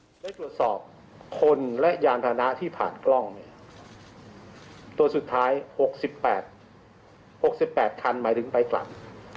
ได้ตรวจสอบคนและยานพานะที่ผ่านกล้องเนี่ยตัวสุดท้าย๖๘๖๘คันหมายถึงไปกลับ